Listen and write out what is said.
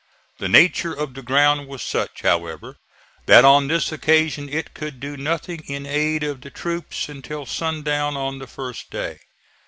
The nature of the ground was such, however, that on this occasion it could do nothing in aid of the troops until sundown on the first day.